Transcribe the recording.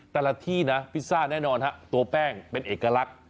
แต่ละที่นะพิซซ่าแน่นอนฮะตัวแป้งเป็นเอกลักษณ์